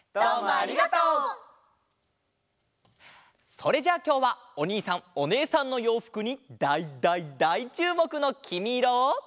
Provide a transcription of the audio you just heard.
それじゃきょうはおにいさんおねえさんのようふくにだいだいだいちゅうもくの「きみイロ」を。